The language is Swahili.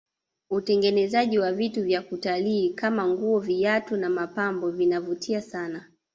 utengenezaji wa vitu vya kutalii Kama nguo viatu na mapambo vinavutia sana